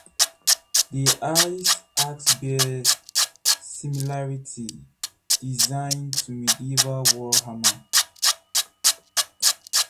The ice axe bears similarity in design to a medieval war hammer.